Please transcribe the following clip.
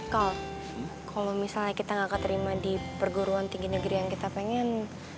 kalau misalnya kita nggak keterima di perguruan tinggi negeri yang kita pengen